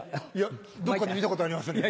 どっかで見たことありますね。